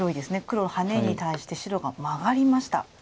黒ハネに対して白がマガりました。